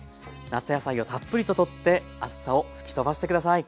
夏野菜をたっぷりと取って熱さを吹き飛ばして下さい。